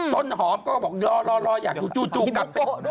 ต้นหอมก็บอกรออยากอยู่จู่กลับไป